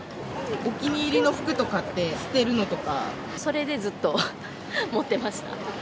お気に入りの服とかって捨てそれでずっと持ってました。